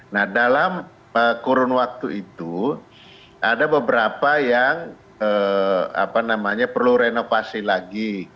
nah dalam kurun waktu itu ada beberapa yang perlu renovasi lagi